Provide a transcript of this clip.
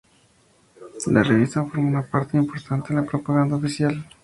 La revista formó una parte importante en la propaganda oficial.